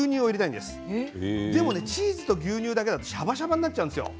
でも、チーズと牛乳だけだとしゃばしゃばになっちゃうんですよ。